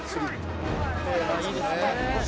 「いいですね」